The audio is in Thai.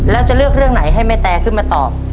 แล้วจะเลือกเรื่องไหนให้แม่แตขึ้นมาตอบ